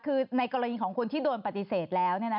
คือในกรณีของคนที่โดนปฏิเสธแล้ว